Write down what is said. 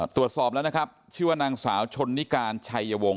ตรวจสอบแล้วนะครับชื่อว่านางสาวชนนิการชัยวงศ